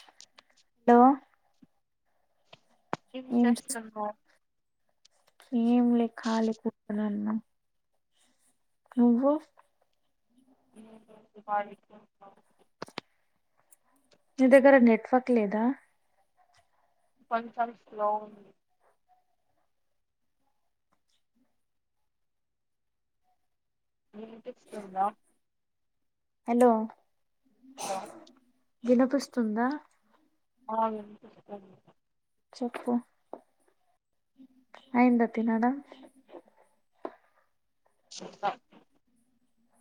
చె హలో ఏమీ చేస్తున్నావ్. ఏంలే ఖాళీగునాన్మా. అబో నువ్వే చేపాలి అబ్బా నీ దగ్గర నెట్వర్క్ లేదా. కొంచెం స్లో ఉంది. వినిపిస్తుందా హలో దా స్తుందా. [unintelligible] చెప్పు అయింద తినడం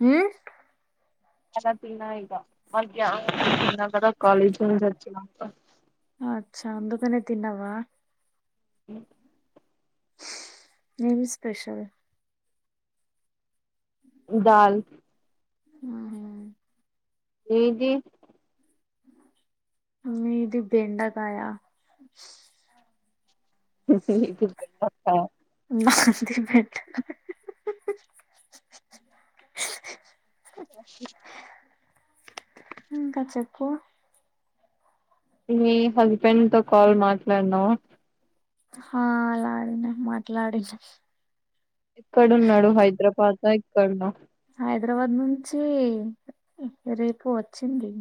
మ్ చ తిన్నా ఈ మ తద కాలేజ్చ్చిన అచ్చా అందుకనే తిన్నావా అ ఏం స్పెషల్ దాల్ మ్ హ్ నీది మీది బెండకాయ నాది [inaudible] ఓ ఇంక చెప్పు మీ హస్బెండ్ తొ కాల్ మాట్లాడినవ హాలాడిన మాట్లాడిన ఎక్కడున్నాడు హైదరాబాదా ఇక్కడ్న హైదరాబాద్ నుంచి రేపు వచ్చింది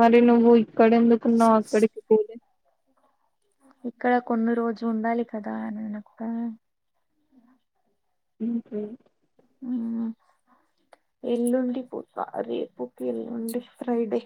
మరి నవూ ఇ క్కడ ఎందుకున్నావు అక్కడికి పోలే ఇక్కడ కొన్ని రోజు ఉండాలి కదానినక్క మ్ హ్ ఎల్లుండి పూత రేపుకి ఎల్లుండి ఫ్రైడే